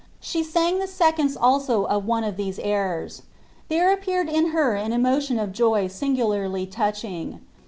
She sang the seconds also of one of these airs. There appeared in her an emotion of joy singularly touching.